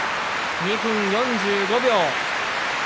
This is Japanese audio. ２分４５秒。